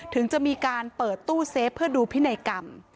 ถึงจะมีการเปิดตู้เซฟเพื่อดูพินัยกรรม